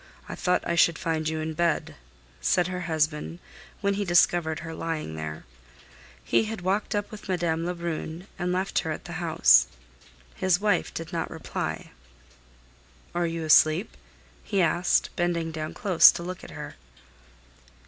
I thought I should find you in bed," said her husband, when he discovered her lying there. He had walked up with Madame Lebrun and left her at the house. His wife did not reply. "Are you asleep?" he asked, bending down close to look at her.